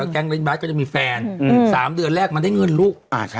แกงเล่นบาร์ดก็จะมีแฟนสามเดือนแรกมันได้เงินลูก